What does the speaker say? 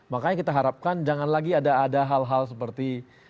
makanya kita harapkan jangan lagi ada hal hal seperti